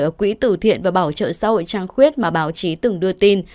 ở quỹ tử thiện và bảo trợ xã hội trang khuyết mà báo chí từng đưa tin